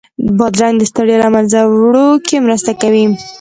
بادرنګ د ستړیا له منځه وړو کې مرسته کوي.